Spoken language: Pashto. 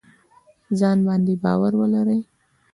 ځان باندې باور ولرئ